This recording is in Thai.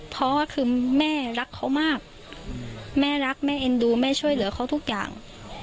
เพราะว่าคือแม่รักเขามากแม่รักแม่เอ็นดูแม่ช่วยเหลือเขาทุกอย่าง